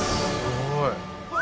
すごい。